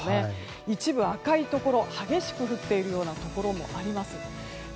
一部、赤いところ激しく降っているところもあります。